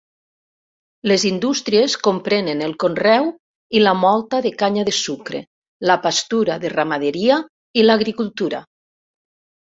Les indústries comprenen el conreu i la molta de canya de sucre, la pastura de ramaderia i l'agricultura.